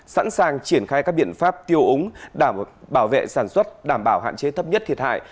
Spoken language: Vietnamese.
sẵn sàng triển khai các biện pháp tiêu úng bảo vệ sản xuất đảm bảo hạn chế thấp nhất thiệt hại